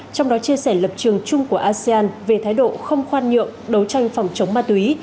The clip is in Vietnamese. trong đó chia sẻ lập trường chung của asean về thái độ không khoan nhượng đấu tranh phòng chống ma túy